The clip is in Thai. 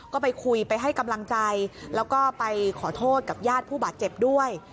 ก็ไปคุยไปให้กำลังใจแล้วก็ไปขอโทษกับญาติผู้บาดเจ็บด้วย